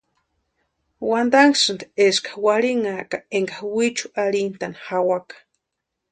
Wantanhasïnti eska warhinhaka énka wichu arhintani jawaka.